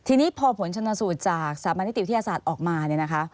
ทีนี้พอผลชนสูตรจากสถาบันนิติวิทยาศาสตร์ออกมาเนี่ยนะคะ